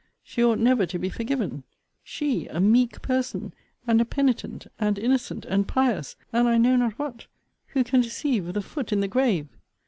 She ought never to be forgiven. She, a meek person, and a penitent, and innocent, and pious, and I know not what, who can deceive with a foot in the grave!